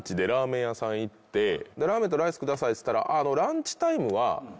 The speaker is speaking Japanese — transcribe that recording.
ラーメンとライスくださいっつったら。